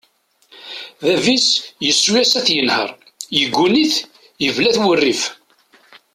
Bab-is yessuyes ad t-yenher, yegguni-t, yebla-t wurrif.